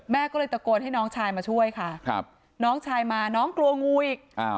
แม่ก็เลยตะโกนให้น้องชายมาช่วยค่ะน้องชายมาน้องกลัวงูอีก